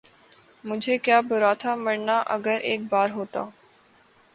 مجھے کیا برا تھا مرنا اگر ایک بار ہوتا